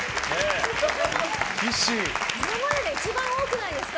今までで一番多くないですか。